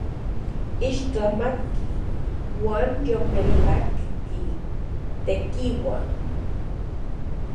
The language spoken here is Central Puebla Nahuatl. ¡Ixtlamatki uan yolmelajki tekiua!